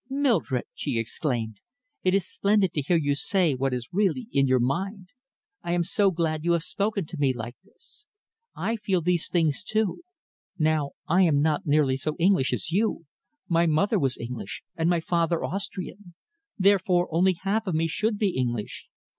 "Mildred," she exclaimed, "it is splendid to hear you say what is really in your mind! I am so glad you have spoken to me like this. I feel these things, too. Now I am not nearly so English as you. My mother was English and my father Austrian. Therefore, only half of me should be English.